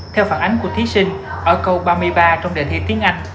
theo phản ánh của thí sinh ở câu ba mươi ba trong đề thi tiếng anh